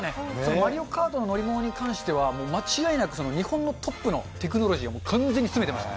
マリオカートの乗り物に関しては、間違いなく日本のトップのテクノロジーを完全に攻めてました。